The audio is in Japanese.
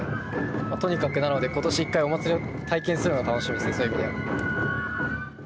とにかくなので今年一回おまつりを体験するのが楽しみですそういう意味で。